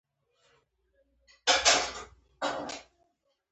دا ده باراني ورېځه!